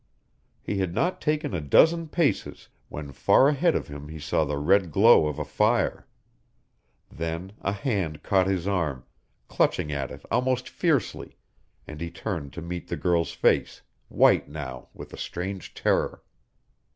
He had not taken a dozen paces, when far ahead of him he saw the red glow of a fire. Then a hand caught his arm, clutching at it almost fiercely, and he turned to meet the girl's face, white now with a strange terror.